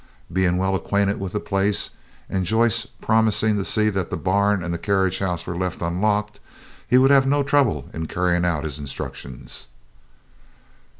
Being well acquainted with the place, and Joyce promising to see that the barn and the carriage house were left unlocked, he would have no trouble in carrying out his instructions.